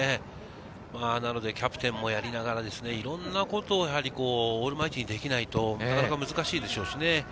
キャプテンもやりながら、いろんなことをオールマイティーにできないと難しいでしょうしね。